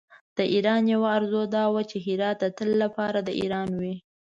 د ایران یوه آرزو دا وه چې هرات د تل لپاره د ایران وي.